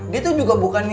dia tuh juga bukannya